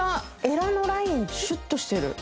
エラのラインシュッとしてる。